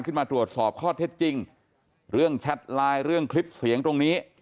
ขึ้นมาตรวจสอบข้อเท็จจริงเรื่องแชทไลน์เรื่องคลิปเสียงตรงนี้